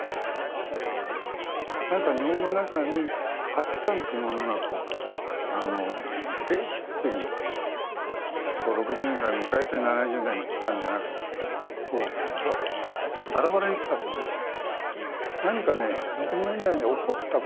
何か日本の中に価値観というものがベーシックに６０年代を迎えて７０年代にきたんじゃなくてこうグーッとバラバラにきたと思うんです。